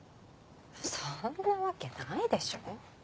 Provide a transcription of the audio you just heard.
そんなわけないでしょ。